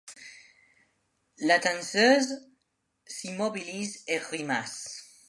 La danseuse s'immobilise et grimace.